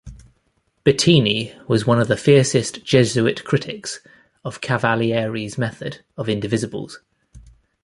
Bettini was one of the fiercest Jesuit critics of Cavalieri's method of Indivisibles.